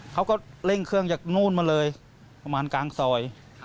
เขาก็เร่งเครื่องจากนู่นมาเลยประมาณกลางซอย